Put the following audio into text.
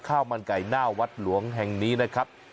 ข้าวมันไก่หน้าวัดหลวงแห่งนี้นะครับ